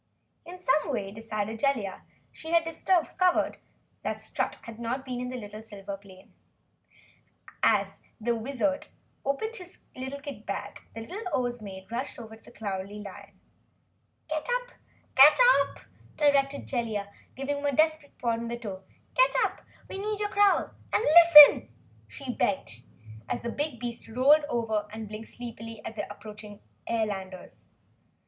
In some way, decided Jellia, she had discovered Strut had not been in the silver plane. As the Wizard opened his kit bag the little Oz Maid rushed over to the Cowardly Lion. "Get up!" directed Jellia, giving him a desperate prod with her toe. "Get up! We need your growl and LISTEN!" she begged, as the big beast rolled over and blinked sleepily at the approaching airlanders.